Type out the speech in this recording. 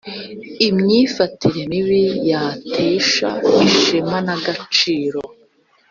imyifatire mibi yatesha ishema n agaciro